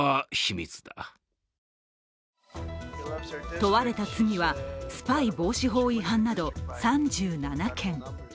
問われた罪はスパイ防止法違反など３７件。